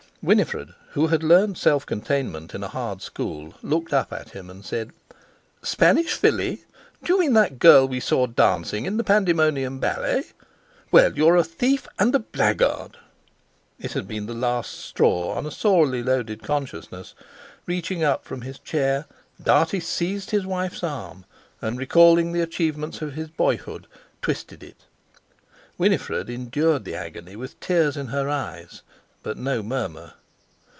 Winifred, who had learned self containment in a hard school, looked up at him, and said: "Spanish filly! Do you mean that girl we saw dancing in the Pandemonium Ballet? Well, you are a thief and a blackguard." It had been the last straw on a sorely loaded consciousness; reaching up from his chair Dartie seized his wife's arm, and recalling the achievements of his boyhood, twisted it. Winifred endured the agony with tears in her eyes, but no murmur.